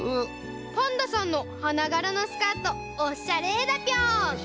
「パンダさんのはながらのスカートおしゃれだぴょん！」。